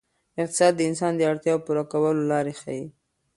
اقتصاد د انسان د اړتیاوو پوره کولو لارې ښيي.